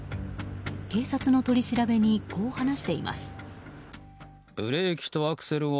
警察の取り調べにこう話しています。